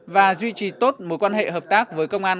và duy trì tốt mối quan hệ hợp tác với công an